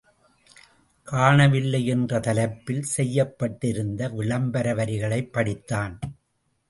காணவில்லை என்ற தலைப்பில் செய்யப்பட்டிருந்த விளம்பர வரிகளைப் படித்தான்.